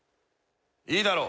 いいだろう。